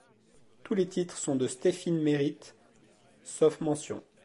Tous les titres sont de Stephin Merritt, sauf mentions.